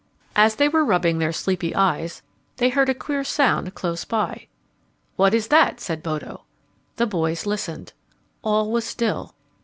As they were rubbing their sleepy eyes, they heard a queer sound close by. "What is that?" said Bodo. The boys listened. All was still.